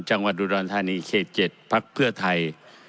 จังหวัดอุดรธานีเขต๗พักเพื่อไทย